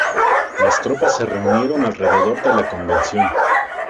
Las tropas se reunieron alrededor de la Convención.